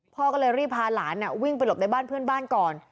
พ่อก็เลยรีบพาหลานวิ่งไปหลบในบ้านเพื่อนบ้านก่อน